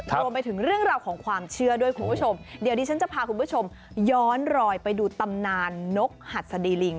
รวมไปถึงเรื่องราวของความเชื่อด้วยคุณผู้ชมเดี๋ยวดิฉันจะพาคุณผู้ชมย้อนรอยไปดูตำนานนกหัสดีลิง